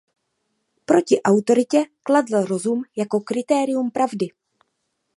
Proti autoritě kladl rozum jako kritérium pravdy.